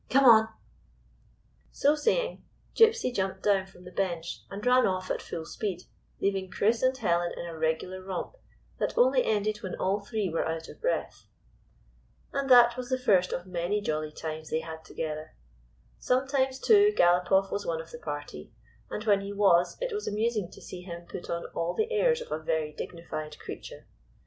Come on !" So saying, Gypsy jumped down from the bench and ran off at full speed, leading Chris 229 GYPSY, THE TALKING DOG and Helen in a regular romp that only ended when all three were out of breath. And that was the first of many jolly times they had together. Sometimes, too, Galopoff was one of the party, and when he was it was amusing to see him put on all the airs of a very dignified creature.